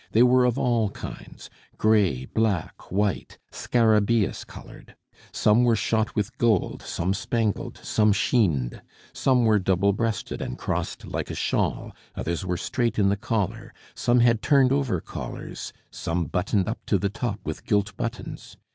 They were of all kinds, gray, black, white, scarabaeus colored: some were shot with gold, some spangled, some chined; some were double breasted and crossed like a shawl, others were straight in the collar; some had turned over collars, some buttoned up to the top with gilt buttons.